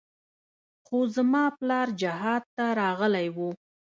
خو زما پلار جهاد ته راغلى و.